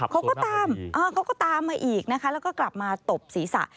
เขาก็ตามเขาก็ตามมาอีกนะคะแล้วก็กลับมาตบศีรษะ